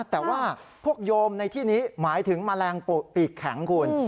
แต่ว่าพวกโยมในที่นี้หมายถึงแมลงปีกแข็งคุณ